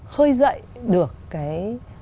khơi dậy được cái